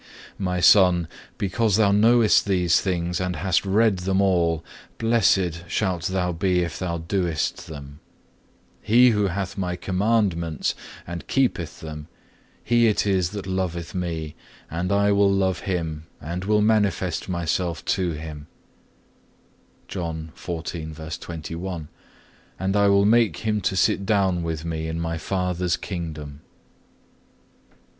4. "My son, because thou knowest these things and hast read them all, blessed shalt thou be if thou doest them. He who hath My commandments and keepeth them, he it is that loveth Me, and I will love him, and will manifest Myself to him,(5) and I will make him to sit down with Me in My Father's Kingdom."